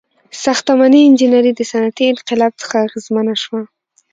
• ساختماني انجینري د صنعتي انقلاب څخه اغیزمنه شوه.